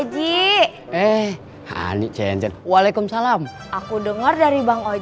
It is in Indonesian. jangan keleo dengan bro